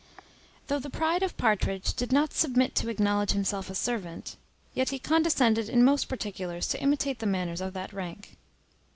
Though the pride of Partridge did not submit to acknowledge himself a servant, yet he condescended in most particulars to imitate the manners of that rank.